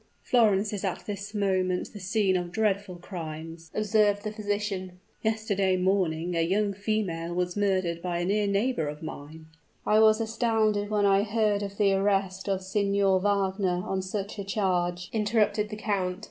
"Florence is at this moment the scene of dreadful crimes," observed the physician. "Yesterday morning a young female was murdered by a near neighbor of mine " "I was astounded when I heard of the arrest of Signor Wagner on such a charge," interrupted the count.